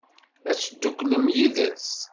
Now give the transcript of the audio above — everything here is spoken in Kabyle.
Ad tedduklemt yid-s?